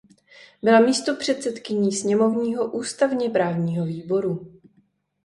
Byla místopředsedkyní sněmovního ústavně právního výboru.